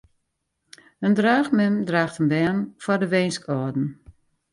In draachmem draacht in bern foar de winskâlden.